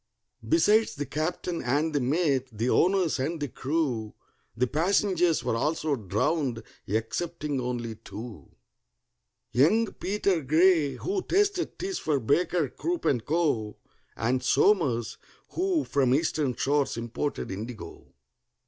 Besides the captain and the mate, the owners and the crew, The passengers were also drowned excepting only two: Young PETER GRAY, who tasted teas for BAKER, CROOP, AND CO., And SOMERS, who from Eastern shores imported indigo.